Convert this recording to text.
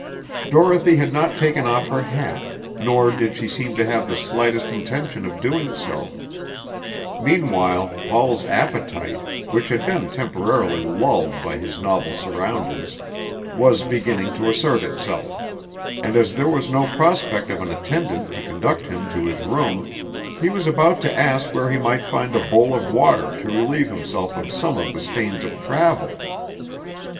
Dorothy had not taken off her hat, nor did she seem to have the slightest intention of doing so; meanwhile Paul's appetite, which had been temporarily lulled by his novel surroundings, was beginning to assert itself, and as there was no prospect of an attendant to conduct him to his room, he was about to ask where he might find a bowl of water to relieve himself of some of the stains of travel.